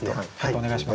お願いします。